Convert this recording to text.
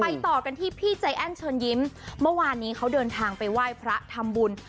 ต่อกันที่พี่ใจแอ้นเชิญยิ้มเมื่อวานนี้เขาเดินทางไปไหว้พระทำบุญ